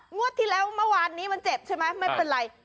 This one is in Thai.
งวดที่แล้วเมื่อวานนี้มันเจ็บใช่ไหมไม่เป็นไร